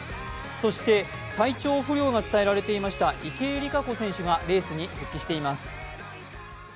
そして体調不良が伝えられていました池江璃花子選手がレースに復帰しています。